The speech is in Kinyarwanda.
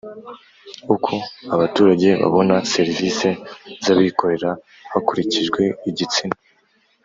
Uko abaturage babona serivisi z abikorera hakurikijwe igitsina